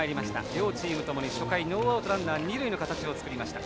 両チームともに初回ノーアウトランナー、二塁の形を作りました。